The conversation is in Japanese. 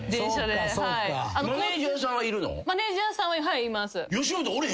マネジャーさんはいます。